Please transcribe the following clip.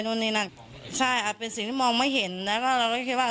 นู่นนี่นั่นใช่อาจเป็นสิ่งที่มองไม่เห็นนะว่าเราก็คิดว่า